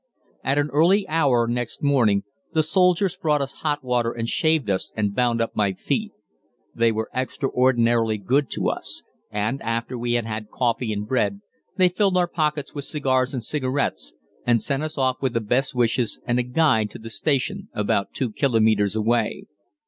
At an early hour next morning the soldiers brought us hot water and shaved us and bound up my feet. They were extraordinarily good to us, and, after we had had coffee and bread, they filled our pockets with cigars and cigarettes and sent us off with the best wishes and a guide to the station about 2 kilometres away.